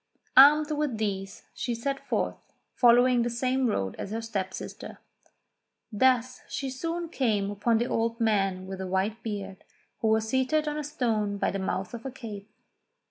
Armed with these she set forth, following the same road as her step sister. Thus she soon came upon the old man with a white beard, who was seated on a stone by the mouth of a cave.